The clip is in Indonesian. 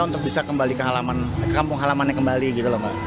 untuk bisa kembali ke kampung halamannya kembali gitu loh mbak